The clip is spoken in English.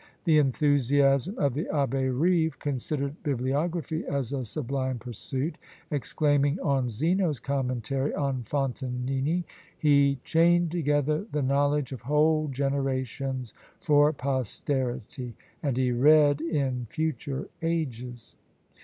The enthusiasm of the Abbé Rive considered bibliography as a sublime pursuit, exclaiming on Zeno's commentary on Fontanini "He chained together the knowledge of whole generations for posterity, and he read in future ages."